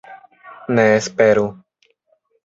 Ne esperu.